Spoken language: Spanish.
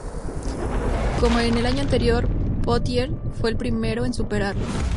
Como en el año anterior, Pottier fue el primero en superarlo.